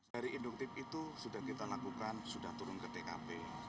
dari induktif itu sudah kita lakukan sudah turun ke tkp